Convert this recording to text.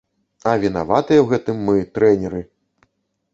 А вінаватыя ў гэтым мы, трэнеры!